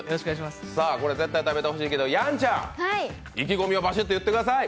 これ、絶対食べてほしいけど、やんちゃん意気込みをバシッと言ってください。